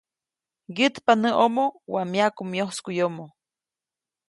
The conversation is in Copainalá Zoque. ‒Ŋgyätpa näʼomo waʼa myaku myoskuʼyomo-.